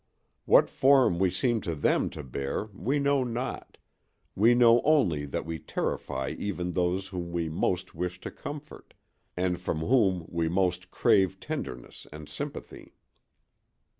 What form we seem to them to bear we know not; we know only that we terrify even those whom we most wish to comfort, and from whom we most crave tenderness and sympathy.